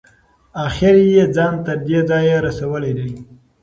اخیر یې ځان تر دې ځایه رسولی دی.